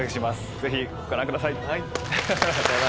ぜひご覧ください。